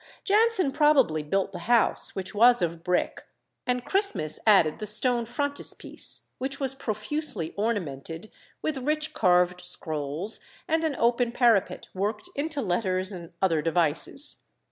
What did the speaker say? Jansen probably built the house, which was of brick, and Christmas added the stone frontispiece, which was profusely ornamented with rich carved scrolls, and an open parapet worked into letters and other devices.